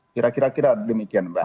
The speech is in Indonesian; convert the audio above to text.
kira kira demikian mbak